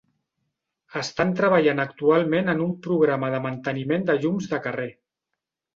Estan treballant actualment en un programa de manteniment de llums de carrer.